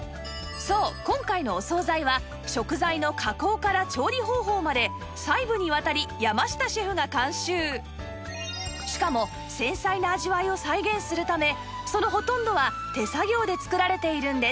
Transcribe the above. そう今回のお惣菜は食材の加工から調理方法まで細部にわたり山下シェフが監修しかも繊細な味わいを再現するためそのほとんどは手作業で作られているんです